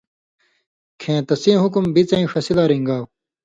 کھیں تسیں حُکم بِڅَیں ݜسی لا رِن٘گاؤ